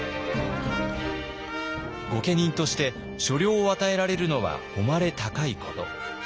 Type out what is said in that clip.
御家人として所領を与えられるのは誉れ高いこと。